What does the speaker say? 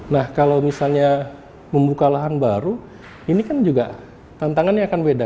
nah kalau misalnya membuka lahan baru ini kan juga tantangannya akan beda